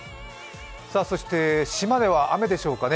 そして島根は雨でしょうかね。